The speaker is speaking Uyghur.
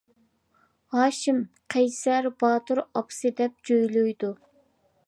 ھاشىم :-قەيسەر، باتۇر، ئاپىسى دەپ جۆيلۈيدۇ.